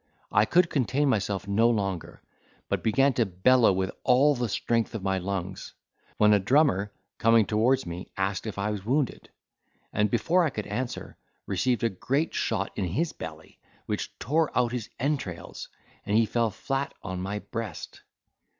I could contain myself no longer, but began to bellow with all the strength of my lungs; when a drummer, coming towards me asked if I was wounded, and, before I could answer, received a great shot in his belly, which tore out his entrails, and he fell flat on my breast.